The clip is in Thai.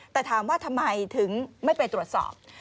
แต่ถามว่าทำไมถึงไม่ไปตรวจสอบ